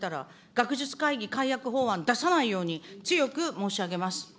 学術会議改悪法案出さないように、強く申し上げます。